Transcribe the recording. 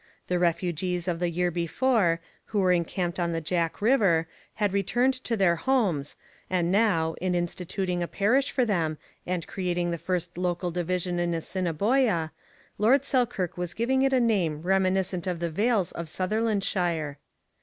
The refugees of the year before, who were encamped on the Jack river, had returned to their homes, and now, in instituting a parish for them and creating the first local division in Assiniboia, Lord Selkirk was giving it a name reminiscent of the vales of Sutherlandshire.